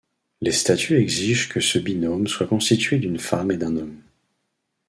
Les statuts exigent que ce binôme soit constitué d'une femme et d'un homme.